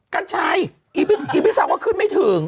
กัญชัยอีพิชัยก็ขึ้นไม่ถึง